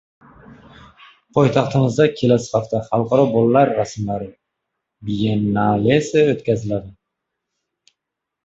Poytaxtimizda kelasi hafta Xalqaro bolalar rasmlari biyennalesi o‘tkaziladi